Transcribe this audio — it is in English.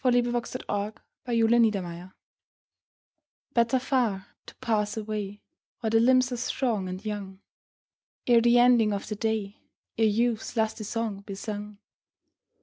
XV Better Far to Pass Away BETTER far to pass away While the limbs are strong and young, Ere the ending of the day, Ere youth's lusty song be sung.